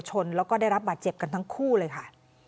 ชนแล้วก็ได้รับบาดเจ็บกันทั้งคู่เลยค่ะ